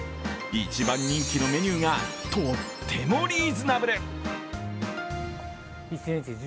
一番人気のメニューがとってもリーズナブル。